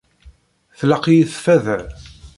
Tlaq-iyi tfada.